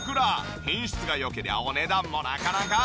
品質が良けりゃお値段もなかなか。